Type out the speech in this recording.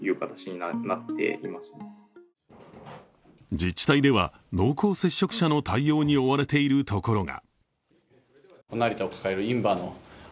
自治体では濃厚接触者の対応に追われているところが。